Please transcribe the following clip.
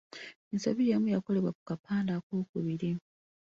Ensobi y’emu yakolebwa ku kapande akookubiri